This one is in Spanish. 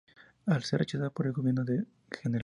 Al ser rechazada por el Gobierno del Gral.